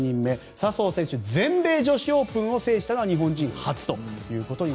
笹生選手は全米女子オープンを制したのは日本人選手初ということです。